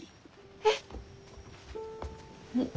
えっ？